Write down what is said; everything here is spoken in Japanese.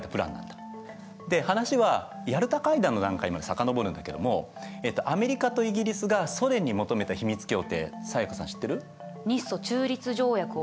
で話はヤルタ会談の段階まで遡るんだけどもアメリカとイギリスがソ連に求めた秘密協定才加さん